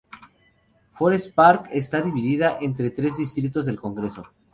Forest Park está dividida entre tres distritos del congreso.